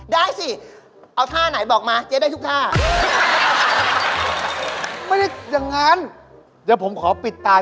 ได้สิเอาท่าไหนบอกมาเจ๊ได้ทุกท่า